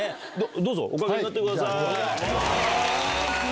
どうぞおかけになってください。